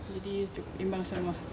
jadi imbang semua